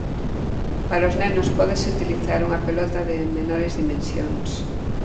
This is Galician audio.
Para os nenos pódese utilizar unha pelota de menores dimensións.